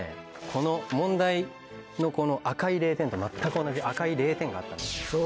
この問題の赤い０点と全く同じ赤い０点があったんですね。